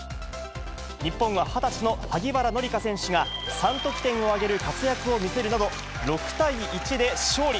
日本は２０歳の萩原紀佳選手が、３得点を挙げる活躍を見せるなど、６対１で勝利。